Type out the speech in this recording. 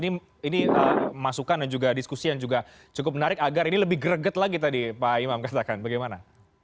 ini masukan dan juga diskusi yang juga cukup menarik agar ini lebih greget lagi tadi pak imam katakan bagaimana